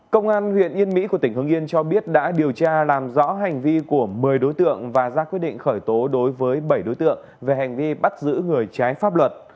công an huyện yên mỹ của tỉnh hưng yên cho biết đã điều tra làm rõ hành vi của một mươi đối tượng và ra quyết định khởi tố đối với bảy đối tượng về hành vi bắt giữ người trái pháp luật